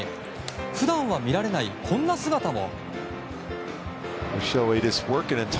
普段は見られないこんな姿も。